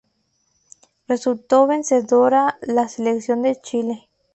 Resultó vencedora la Selección de Chile.